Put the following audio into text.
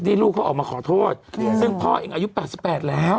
ลูกเขาออกมาขอโทษซึ่งพ่อเองอายุ๘๘แล้ว